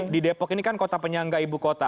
di depok ini kan kota penyangga ibu kota